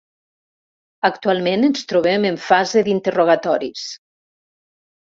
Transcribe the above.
Actualment ens trobem en fase d’interrogatoris.